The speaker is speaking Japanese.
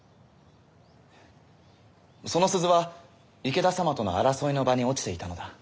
その鈴は池田様との争いの場に落ちていたのだ。